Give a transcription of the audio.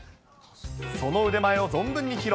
その腕前を存分に披露。